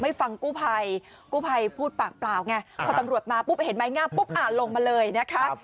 ฟังกู้ภัยกู้ภัยพูดปากเปล่าไงพอตำรวจมาปุ๊บเห็นไม้งามปุ๊บอ่านลงมาเลยนะคะ